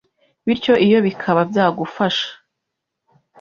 bityo iyo bikaba byagufasha